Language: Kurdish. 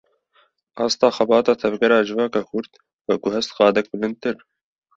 Asta xebata tevgera civaka kurd, veguhest qadek bilindtir